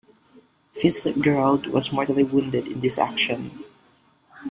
Fitzgerald was mortally wounded in this action.